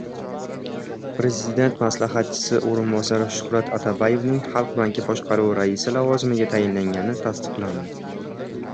Prezident maslahatchisi o‘rinbosari Shuhrat Atabayevning Xalq banki boshqaruvi raisi lavozimiga tayinlangani tasdiqlandi